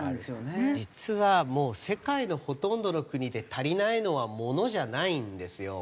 実はもう世界のほとんどの国で足りないのは物じゃないんですよ。